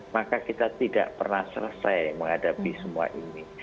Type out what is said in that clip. maka kita tidak pernah selesai menghadapi semua ini